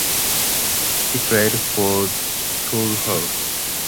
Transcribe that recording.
He played for Toulouse.